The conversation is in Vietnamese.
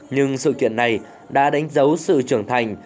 nhưng sự kiện này đã đánh dấu sự trưởng thành